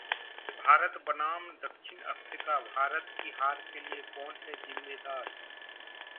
भारत बनाम दक्षिण अफ्रीकाः भारत की हार के लिए कौन है जिम्मेदार?